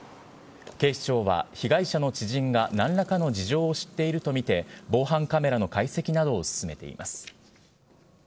警視庁は被害者の知人がなんらかの事情を知っていると見て、防犯カメラの解析などを進めています。